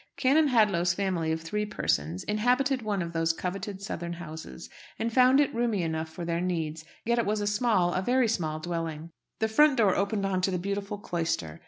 Canon Hadlow's family of three persons inhabited one of these coveted southern houses, and found it roomy enough for their needs; yet it was a small a very small dwelling. The front door opened on to the beautiful cloister.